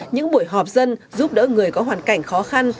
những buổi họp dân giúp đỡ người có hoàn cảnh khó khăn